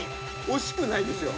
◆惜しくないですよ。